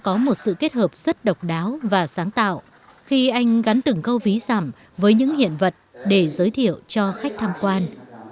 có một sự kết hợp rất độc đáo và sáng tạo khi anh gắn từng câu ví giảm với những hiện vật để giới thiệu cho khách tham quan